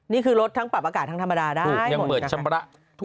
นี่คือรถทั้งปรับอากาศทั้งธรรมดาได้หมดนะคะ